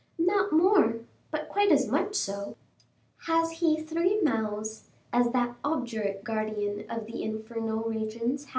"Not more, but quite as much so." "Has he three mouths, as that obdurate guardian of the infernal regions had?